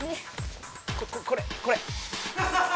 これこれ。